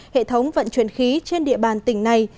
hệ thống vận chuyển khí trên địa bàn tỉnh này